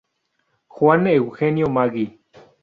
Juan Eugenio Maggi".